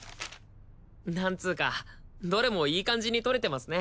何つーかどれもいい感じに撮れてますね